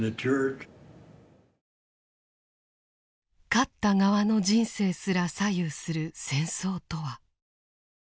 勝った側の人生すら左右する戦争とは。